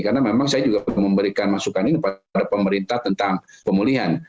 karena memang saya juga memberikan masukan ini kepada pemerintah tentang pemulihan